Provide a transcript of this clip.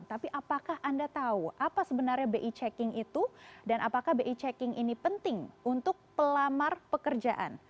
tapi apakah anda tahu apa sebenarnya bi checking itu dan apakah bi checking ini penting untuk pelamar pekerjaan